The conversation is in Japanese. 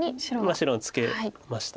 白ツケました。